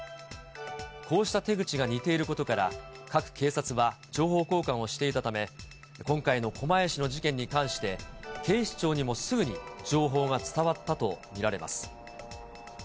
こうした手口が似ていることから、各警察は情報交換をしていたため、今回の狛江市の事件に関して、警視庁にもすぐに情報が伝わったと見られます。